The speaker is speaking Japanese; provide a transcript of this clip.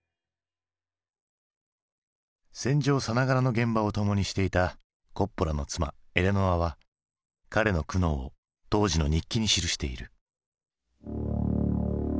戦場さながらの現場を共にしていたコッポラの妻エレノアは彼の苦悩を当時の日記に記している。